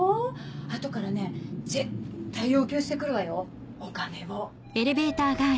後からね絶対要求して来るわよお金を。